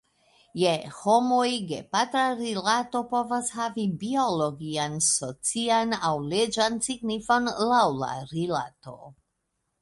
Je homoj, gepatra rilato povas havi biologian, socian, aŭ leĝan signifon, laŭ la rilato.